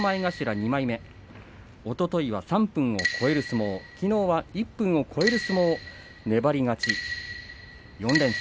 ２枚目おとといは３分を超える相撲きのうは１分を超える相撲を粘り勝ち４連勝。